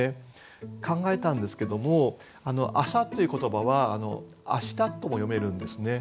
考えたんですけども「朝」という言葉は「あした」とも読めるんですね。